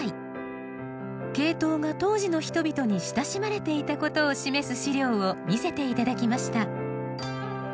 ケイトウが当時の人々に親しまれていたことを示す史料を見せていただきました。